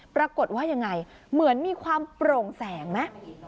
ปรากฏว่ายังไงเหมือนมีความโปร่งแสงไหม